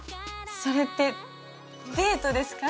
それってデートですか？